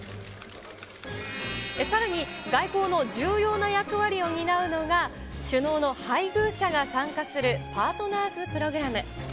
さらに、外交の重要な役割を担うのが、首脳の配偶者が参加する、パートナーズ・プログラム。